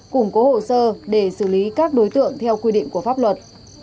củng cố hồ sơ để xử lý các đối tượng theo quy định của pháp luật